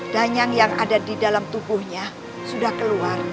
dan yang ada di dalam tubuhnya sudah keluar